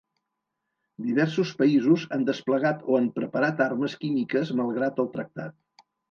Diversos països han desplegat o han preparat armes químiques malgrat el tractat.